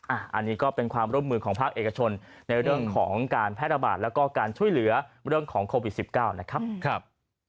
อันนี้ก็เป็นความร่วมมือของภาคเอกชนในเรื่องของการแพร่ระบาดแล้วก็การช่วยเหลือเรื่องของโควิด๑๙นะครับ